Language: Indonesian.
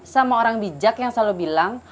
sama orang bijak yang selalu bilang